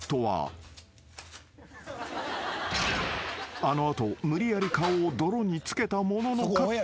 ［あの後無理やり顔を泥につけたもののカットされた］